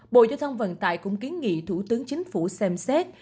bộ giao thông vận tải cũng kiến nghị thủ tướng chính phủ xem xét